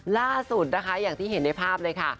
ล่าสุดนะคะอย่างที่เห็นในภาพเลยค่ะ